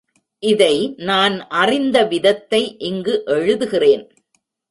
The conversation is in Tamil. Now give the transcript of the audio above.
இதை நான் அறிந்த விதத்தை இங்கு எழுதுகிறேன்.